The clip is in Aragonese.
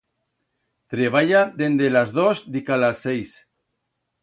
Treballa dende las dos dica las seis.